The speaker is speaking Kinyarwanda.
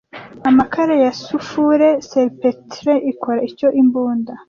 Amakara ya Sufure Saltpetre ikora icyo Imbunda